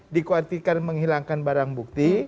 dikhawatirkan menghilangkan barang bukti